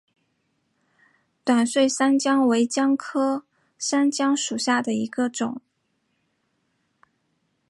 短穗山姜为姜科山姜属下的一个种。